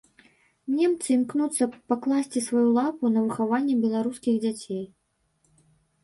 Немцы імкнуцца пакласці сваю лапу на выхаванне беларускіх дзяцей.